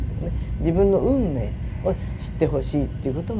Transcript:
自分の運命を知ってほしいっていうこともありますね。